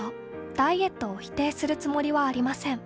ダイエットを否定するつもりはありません。